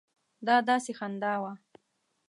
دا داسې خندا وه.